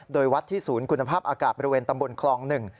โดยวัดที่ศูนย์คุณภาพอากาศบริเวณตำบลคลอง๑